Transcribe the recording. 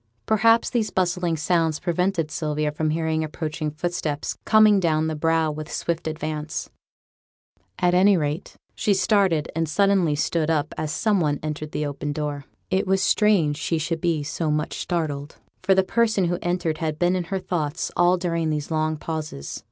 Perhaps these bustling sounds prevented Sylvia from hearing approaching footsteps coming down the brow with swift advance; at any rate, she started and suddenly stood up as some one entered the open door. It was strange she should be so much startled, for the person who entered had been in her thoughts all during those long pauses.